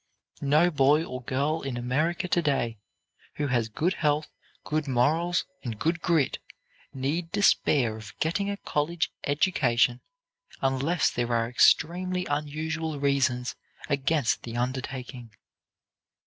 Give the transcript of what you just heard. No boy or girl in America to day who has good health, good morals and good grit need despair of getting a college education unless there are extremely unusual reasons against the undertaking.